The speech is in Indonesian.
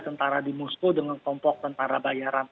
tentara di moskow dengan kelompok tentara bayaran